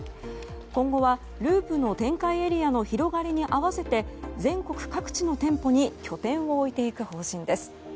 今後はＬＵＵＰの展開エリアの広がりに合わせて全国各地の店舗に拠点を置いていく方針です。